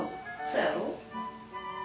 そやろ？